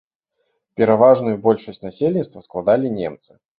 Пераважную большасць насельніцтва складалі немцы.